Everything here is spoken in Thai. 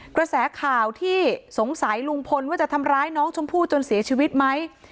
กระแสข่าวที่สงสัยลุงพลว่าจะทำร้ายน้องชมพู่จนเสียชีวิตไหม